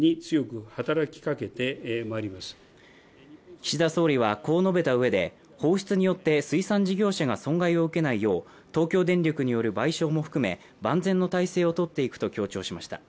岸田総理はこう述べたうえで放出によって水産事業者が損害を受けないよう東京電力による賠償も含め万全の体制をとっていくと強調しました。